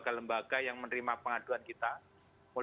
jadi saya berharap sepertinya kita bisa mengangkat kepres